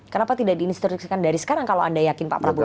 kenapa tidak diinstruksikan dari sekarang kalau anda yakin pak prabowo